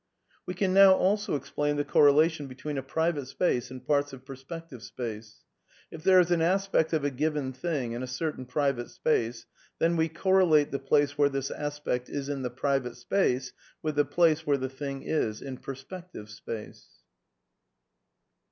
" We can now also explain the correlation between a private space and parts of persi)ective space. If there is an aspect of a given thing in a certain private space, then we correlate the place where this aspect is in the private space with the place where the thing is in perspective space."